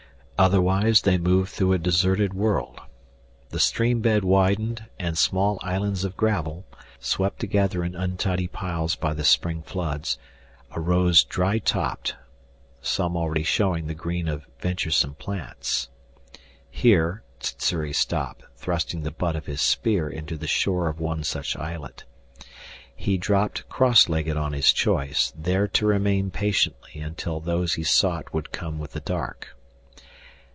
Otherwise they moved through a deserted world. The stream bed widened and small islands of gravel, swept together in untidy piles by the spring floods, arose dry topped, some already showing the green of venturesome plants. "Here " Sssuri stopped, thrusting the butt of his spear into the shore of one such islet. He dropped cross legged on his choice, there to remain patiently until those he sought would come with the dark.